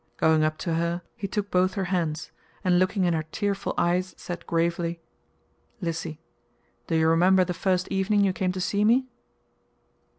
Going up to her, he took both her hands, and looking in her tearful eyes, said, gravely, "Lissy, do you remember the first evening you came to see me?"